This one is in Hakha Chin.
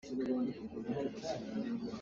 Laitlang i tlang cu an cheng ngaingai.